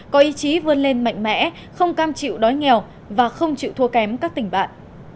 có ý chí vươn lên mạnh mẽ không cam chịu đói nghèo và không chịu thua kém các tỉnh bạn